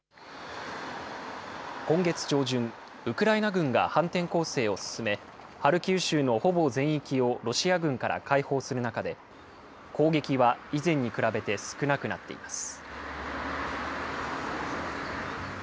今月上旬、ウクライナ軍が反転攻勢を進め、ハルキウ州のほぼ全域をロシア軍から解放する中で、攻撃は以前に比べて少なくなっています。